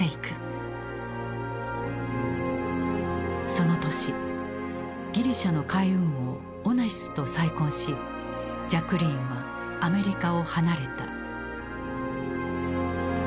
その年ギリシャの海運王オナシスと再婚しジャクリーンはアメリカを離れた。